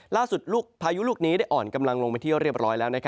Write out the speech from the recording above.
ล่าสุดพายุลูกนี้ได้อ่อนกำลังลงไปที่เรียบร้อยแล้ว